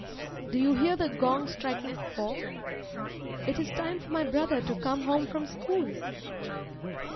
Do you hear the gong striking four? It is time for my brother to come home from school.